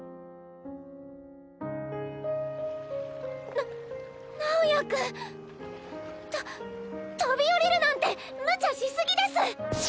な直也君。と飛び降りるなんてむちゃし過ぎです！